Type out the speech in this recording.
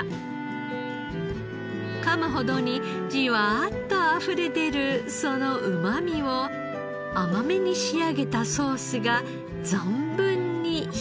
かむほどにじわーっとあふれ出るそのうまみを甘めに仕上げたソースが存分に引き立てます。